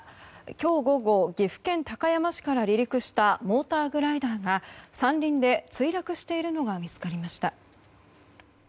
今日午後、岐阜県高山市から離陸したモーターグライダーが山林で墜落しているのが見つかりました。